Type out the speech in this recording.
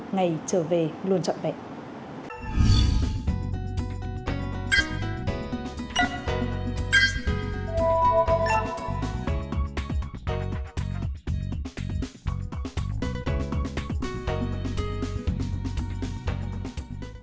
ngày trở về luôn chọn bệnh